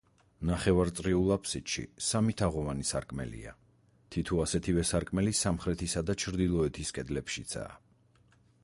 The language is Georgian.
ნახევარწრიულ აფსიდში სამი თაღოვანი სარკმელია, თითო ასეთივე სარკმელი სამხრეთისა და ჩრდილოეთის კედლებშიცაა.